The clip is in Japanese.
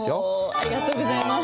ありがとうございます。